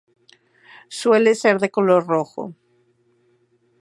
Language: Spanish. Suele ser de color rojo.